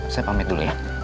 saya pamit dulu ya